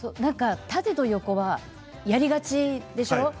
縦と横はやりがちでしょう。